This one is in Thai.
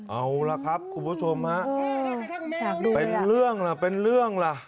เอาล่ะครับคุณผู้ชมฮะเป็นเรื่องล่ะเป็นเรื่องล่ะ